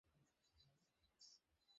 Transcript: আমি আমার জীবনে এরকম কিছু দেখিনি!